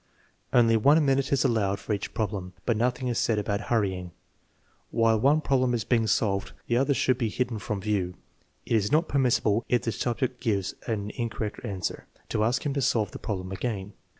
Only one minute is allowed for each problem, but nothing is said about hurrying. While one problem is being solved, the others should be hidden from view. It is not permissible, if the subject gives an incorrect answer, to ask him to solve the problem again.